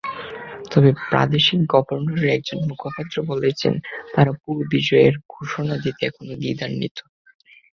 তবে প্রাদেশিক গভর্নরের একজন মুখপাত্র বলেছেন, তাঁরা পুরো বিজয়ের ঘোষণা দিতে এখনো দ্বিধান্বিত।